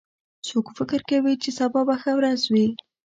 څوک فکر کوي چې سبا به ښه ورځ وي